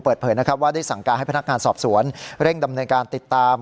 เปิดเผยนะครับว่าได้สั่งการให้พนักงานสอบสวนเร่งดำเนินการติดตาม